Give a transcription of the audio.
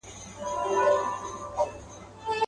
لاس دي بر وي د حاکم پر دښمنانو.